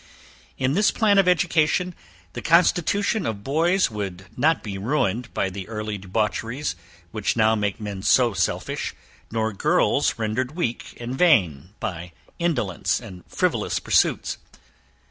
In this plan of education, the constitution of boys would not be ruined by the early debaucheries, which now make men so selfish, nor girls rendered weak and vain, by indolence and frivolous pursuits.